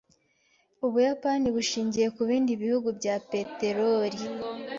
Ubuyapani bushingiye kubindi bihugu bya peteroli.